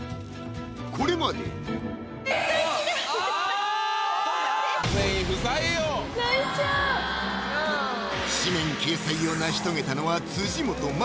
これまで誌面掲載を成し遂げたのは辻元舞